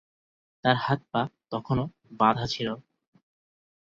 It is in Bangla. তার হাত -পা তখনো বাঁধা ছিল।